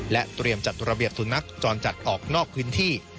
เตรียมจัดระเบียบสุนัขจรจัดออกนอกพื้นที่